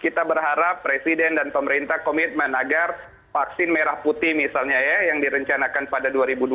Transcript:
kita berharap presiden dan pemerintah komitmen agar vaksin merah putih misalnya ya yang direncanakan pada dua ribu dua puluh